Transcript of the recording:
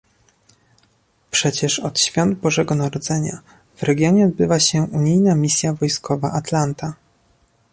Przecież od świąt Bożego Narodzenia, w regionie odbywa się unijna misja wojskowa Atalanta